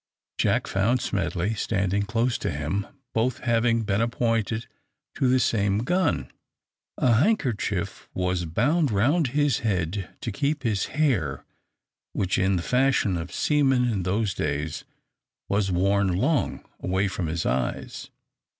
Jack found Smedley standing close to him, both having been appointed to the same gun. A handkerchief was bound round his head to keep his hair, which in the fashion of seamen in those days was worn long, away from his eyes.